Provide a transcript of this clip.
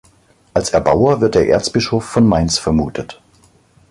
Als Erbauer wird der Erzbischof von Mainz vermutet.